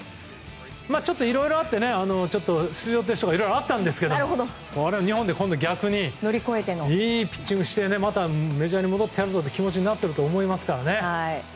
ちょっといろいろあって出場停止とかあったんですが日本で逆にいいピッチングをしてまたメジャーに戻ってやるぞという気持ちになってると思いますからね。